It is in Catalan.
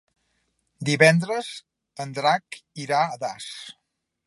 Divendres en Drac irà a Das.